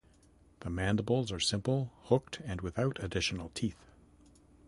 The mandibles are simple, hooked, and without additional teeth.